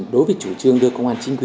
đối với chủ trương đưa công an chính quy